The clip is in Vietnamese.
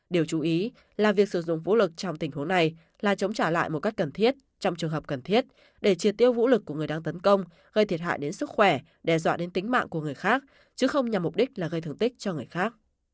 điều chú ý là việc sử dụng vũ lực trong tình huống này là chống trả lại một cách cần thiết trong trường hợp cần thiết để triệt tiêu vũ lực của người đang tấn công gây thiệt hại đến sức khỏe đe dọa đến tính mạng của người khác chứ không nhằm mục đích là gây thương tích cho người khác